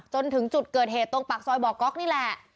จนถึงจุดเกิดเหตุตรงปากซอยบ่อก๊อกนี่แหละ